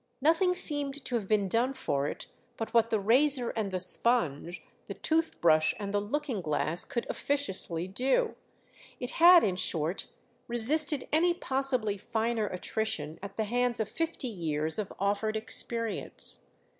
Nothing seemed to have been done for it but what the razor and the sponge, the tooth brush and the looking glass could officiously do; it had in short resisted any possibly finer attrition at the hands of fifty years of offered experience.